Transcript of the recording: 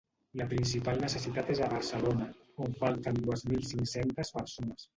La principal necessitat és a Barcelona, on falten dues mil cinc-centes persones.